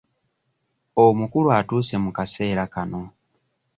Omukulu atuuse mu kaseera kano.